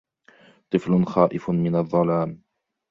طفل خائف من الظلام.